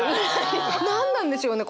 何なんでしょうね？